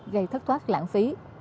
gây thất thoát lãng phí